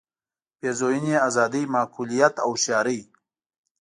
پېرزوینې آزادۍ معقولیت او هوښیارۍ.